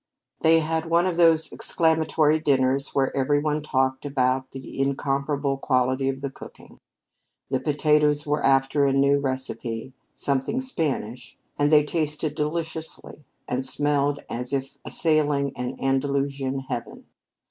They had one of those exclamatory dinners where every one talked about the incomparable quality of the cooking. The potatoes were after a new recipe, something Spanish, and they tasted deliciously and smelled as if assailing an Andalusian heaven.